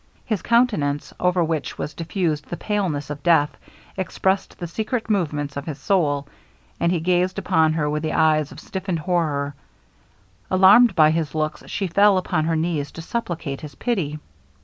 His countenance, over which was diffused the paleness of death, expressed the secret movements of his soul, and he gazed upon her with eyes of stiffened horror. Alarmed by his looks, she fell upon her knees to supplicate his pity.